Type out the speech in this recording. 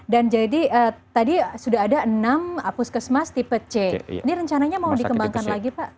dan jadi tadi sudah ada enam apus kesmas tipe c ini rencananya mau dikembangkan lagi pak